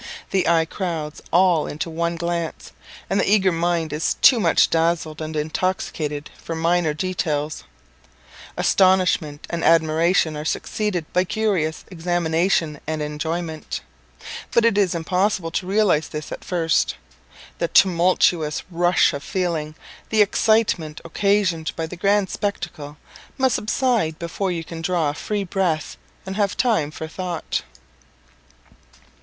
The eye crowds all into the one glance, and the eager mind is too much dazzled and intoxicated for minor details. Astonishment and admiration are succeeded by curious examination and enjoyment; but it is impossible to realize this at first. The tumultuous rush of feeling, the excitement occasioned by the grand spectacle, must subside before you can draw a free breath, and have time for thought.